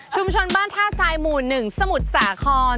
บ้านท่าทรายหมู่๑สมุทรสาคร